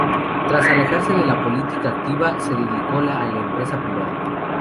Tras alejarse de la política activa se dedicó a la empresa privada.